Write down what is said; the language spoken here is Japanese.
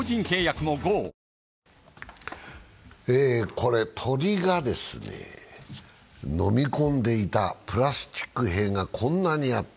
これ、鳥がですね、飲み込んでいたプラスチック片がこんなにあった。